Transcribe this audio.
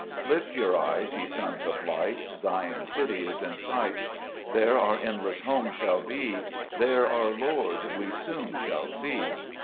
4 Lift your eyes, ye sons of light, Zion's city is in sight ; There our endless home shall be, There our Lord we soon shall see.